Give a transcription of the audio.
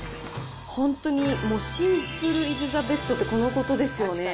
本当にシンプルイズザベストってこのことですよね。